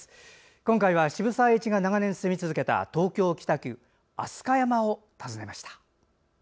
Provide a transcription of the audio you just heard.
今回は渋沢栄一が長年住み続けた東京・北区飛鳥山を訪ねました。